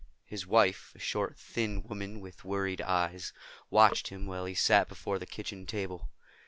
His wife, a short thin woman with worried eyes, watched him while he sat before the kitchen table.